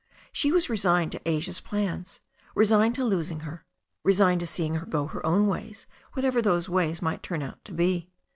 She was resigned to Asia's plans ; resigned to losing her; resigned to seeing her go her own ways, what ever those ways might turn out to be.